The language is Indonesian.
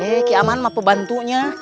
itu dia pembantu